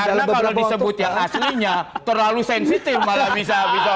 karena kalau disebut yang aslinya terlalu sensitif malah bisa bahaya